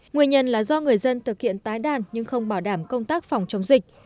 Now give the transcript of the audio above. nguyên nhân là do người dân thực hiện tái đàn nhưng không bảo đảm công tác phòng chống dịch